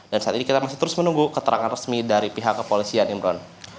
dan saat ini kita masih terus menunggu keterangan resmi dari pihak kepolisian imron